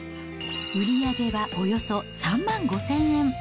売り上げはおよそ３万５０００円。